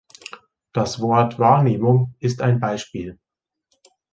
Das Wort "Wahrnehmung" ist ein Beispiel.